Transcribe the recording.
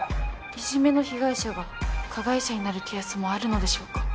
いじめの被害者が加害者になるケースもあるのでしょうか？